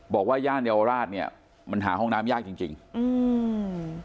ย่านเยาวราชเนี้ยมันหาห้องน้ำยากจริงจริงอืม